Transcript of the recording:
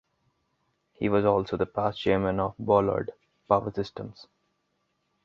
He was also the Past Chairman of Ballard Power Systems.